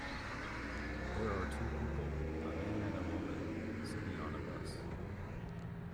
There are two people, a man and a woman, sitting on a bus.